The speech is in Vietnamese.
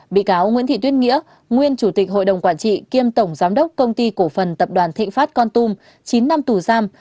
bị cáo nguyễn thị tuyết nghĩa nguyên chủ tịch hội đồng quản trị kiêm tổng giám đốc công ty cổ phần tập đoàn thịnh phát con tum chín năm tù giam